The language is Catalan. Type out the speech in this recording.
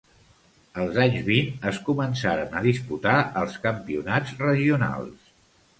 Als anys vint es començaren a disputar els campionats regionals.